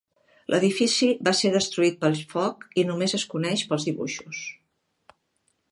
L'edifici va ser destruït pel foc i només es coneix pels dibuixos.